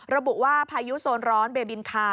ระบุว่าพายุโซนร้อนเบบินคา